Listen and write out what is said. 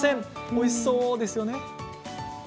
おいしそうですね。